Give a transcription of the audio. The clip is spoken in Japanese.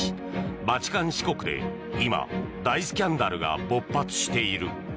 バチカン市国で今、大スキャンダルが勃発している。